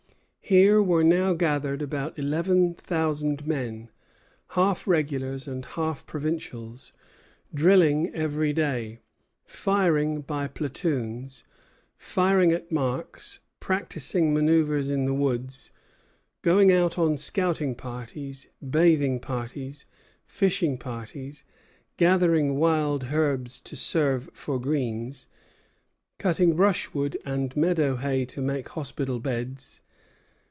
Here were now gathered about eleven thousand men, half regulars and half provincials, drilling every day, firing by platoons, firing at marks, practising manœuvres in the woods; going out on scouting parties, bathing parties, fishing parties; gathering wild herbs to serve for greens, cutting brushwood and meadow hay to make hospital beds.